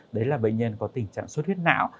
đấy là bệnh nhân có tình trạng suất huyết nạo